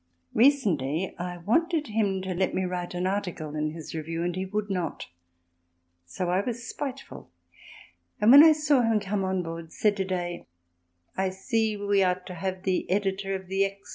Recently I wanted him to let me write an article in his review and he would not, so I was spiteful and, when I saw him come on board, said to Day: "I see we are to have the Editor of the _X.